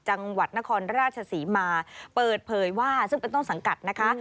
จังหวัดนครราชศรีมาเปิดเผยว่าซึ่งเป็นต้นสังกัดนะคะ